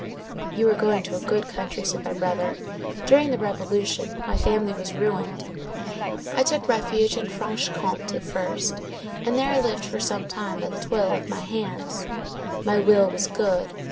"'You are going to a good country,' said my brother. 'During the Revolution my family was ruined. I took refuge in Franche Comté at first, and there I lived for some time by the toil of my hands. My will was good.